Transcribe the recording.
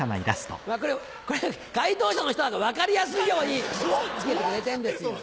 これ解答者の人らが分かりやすいようにつけてくれてんですよ。